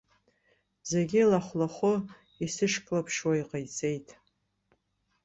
Зегьы лахә-лахәы исышьклаԥшуа иҟаиҵеит.